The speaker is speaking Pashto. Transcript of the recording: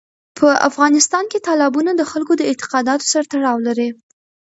په افغانستان کې تالابونه د خلکو د اعتقاداتو سره تړاو لري.